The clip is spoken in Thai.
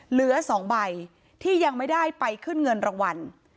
เหลือ๒ใบที่ยังไม่ได้ไปขึ้นเงินรางวัล